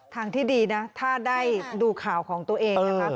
ทางที่ดีนะถ้าได้ดูข่าวของตัวเองนะคะ